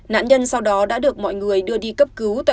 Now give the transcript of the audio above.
nạn nhân sau đó đã được mọi người đưa đi cấp cứu tại